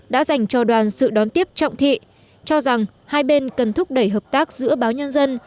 đã dành cho đoàn sự đón tiếp trọng thị cho rằng hai bên cần thúc đẩy hợp tác giữa báo nhân dân